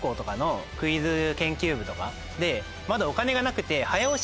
でまだお金がなくて。